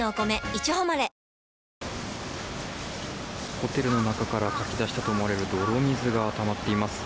ホテルの中からかき出したと思われる泥水がたまっています。